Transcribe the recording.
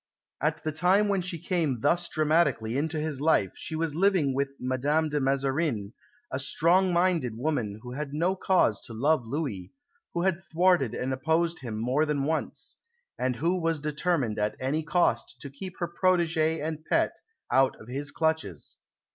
At the time when she came thus dramatically into his life she was living with Madame de Mazarin, a strong minded woman who had no cause to love Louis, who had thwarted and opposed him more than once, and who was determined at any cost to keep her protégée and pet out of his clutches.